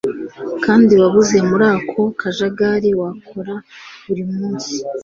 kandi wabuze muri ako kajagari wakora buri munsi